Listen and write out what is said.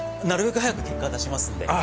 なるべく早く結果を出しますので。